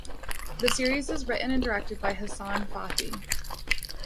The series is written and directed by Hassan Fathi.